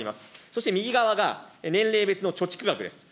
そして右側が、年齢別の貯蓄額です。